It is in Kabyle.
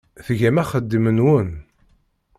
Tgam axeddim-nwen.